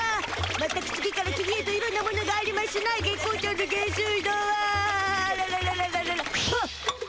まったく次から次へといろんなものがありましゅな月光町の下水道はあらららららら。